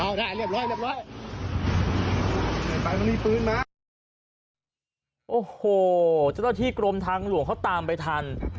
อ่าเลียบร่อยหนึ่งน้ำมีปืนนะโอ้โห้ที่กรมทางหลวงเขาตามไปทัน